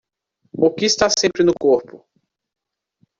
O que está sempre no corpo?